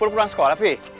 pulang sekolah alfi